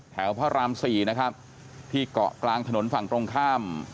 พระราม๔นะครับที่เกาะกลางถนนฝั่งตรงข้าม